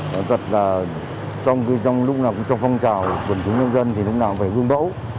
trong lúc nào cũng trong phong trào quần chúng nhân dân thì lúc nào cũng phải gương bẫu